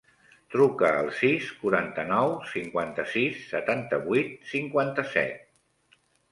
Truca al sis, quaranta-nou, cinquanta-sis, setanta-vuit, cinquanta-set.